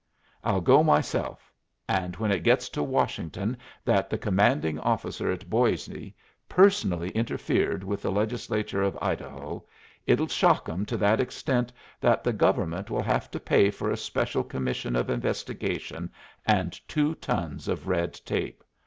"I'll go myself; and when it gets to Washington that the commanding officer at Boisé personally interfered with the Legislature of Idaho, it'll shock 'em to that extent that the government will have to pay for a special commission of investigation and two tons of red tape.